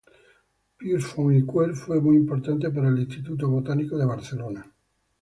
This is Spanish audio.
Pius Font i Quer fue muy importante para el Instituto Botánico de Barcelona.